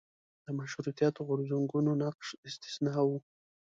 د مشروطیت غورځنګونو نقش استثنا و.